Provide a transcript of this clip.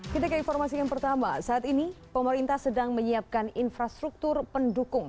kita ke informasi yang pertama saat ini pemerintah sedang menyiapkan infrastruktur pendukung